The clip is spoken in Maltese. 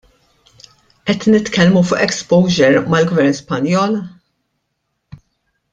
Qed nitkellmu fuq exposure mal-Gvern Spanjol?